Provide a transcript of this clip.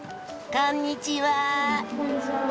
こんにちは。